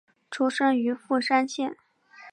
出身于富山县。